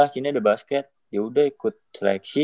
sini ada basket yaudah ikut seleksi